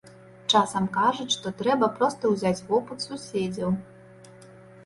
Часам кажуць, што трэба проста ўзяць вопыт суседзяў.